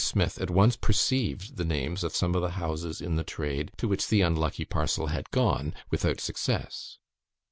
Smith at once perceived the names of some of the houses in the trade to which the unlucky parcel had gone, without success.